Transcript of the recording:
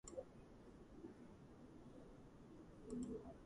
როკფელერის სტიპენდიის მიღების შემდეგ გაემგზავრა ინგლისში.